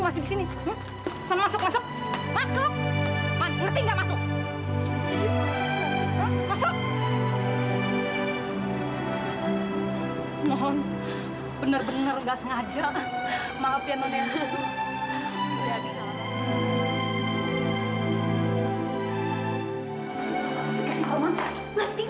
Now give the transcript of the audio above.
ngapain kamu masih disini